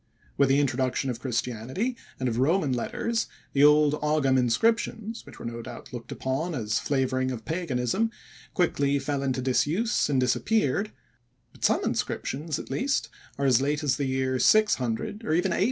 With the introduction of Christianity and of Roman letters, the old Ogam inscriptions, which were no doubt looked upon as flavoring of paganism, quickly fell into disuse and disappeared, but some inscriptions at least are as late as the year 600 or even 800.